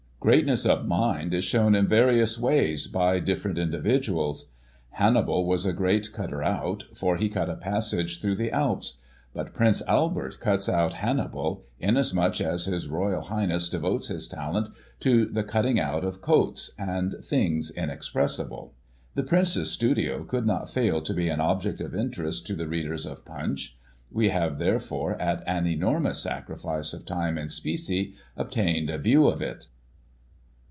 " Greatness of mind is shown in various ways by different Nelson's Statue. individuals. Hannibal was a great cutter out, for he cut a passage through the Alps; but Prince Albert cuts out Hannibal, inasmuch as His Royal Highness devotes his talent to the cutting out of coats, and ' things inexpressible.' The Prince's studio could not fail to be an object of interest to the Digiti ized by Google 1343] THE NELSON COLUMN. 225 readers of Punch. We have, therefore, at an enormous sacri fice of time and specie, obtained a view of it."